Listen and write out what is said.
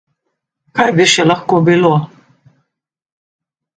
Kaj bi še lahko bilo?